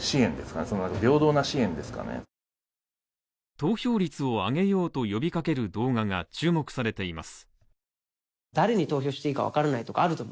投票率を上げようと呼びかける動画が注目されています。